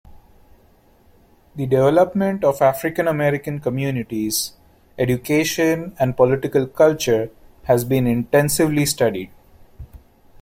The development of African-American communities, education and political culture has been intensively studied.